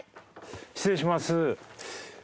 失礼します。